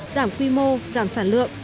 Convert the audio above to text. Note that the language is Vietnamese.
giảm quy mô giảm sản lượng